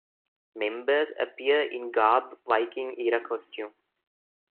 Members appear in "garb" - Viking-era costume.